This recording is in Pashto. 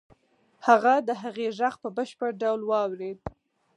هغه د هغې غږ په بشپړ ډول واورېد.